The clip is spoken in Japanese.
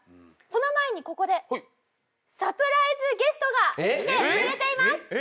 その前にここでサプライズゲストが来てくれています。